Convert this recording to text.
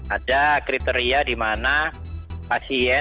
ada kriteria di mana pasien